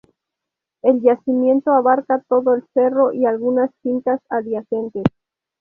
El yacimiento abarca todo el cerro y algunas fincas adyacentes.